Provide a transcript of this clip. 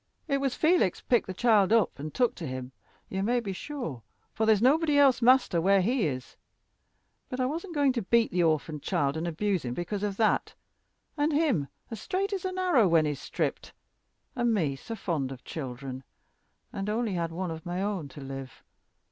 It was Felix picked the child up and took to him, you may be sure, for there's nobody else master where he is; but I wasn't going to beat the orphan child and abuse him because of that, and him as straight as an arrow when he's stripped, and me so fond of children, and only had one of my own to live.